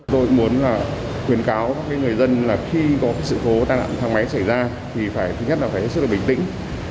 tôi muốn khuyên cáo các người dân là khi có sự cố tai nạn thang máy xảy ra thì phải thứ nhất là phải hết sức là bình tĩnh